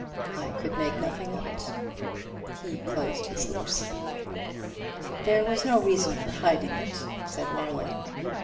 I could make nothing of it." He closed his lips. "There was no reason for hiding it," said Marlowe.